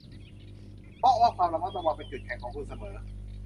เพราะว่าความระมัดระวังเป็นจุดแข็งของคุณเสมอ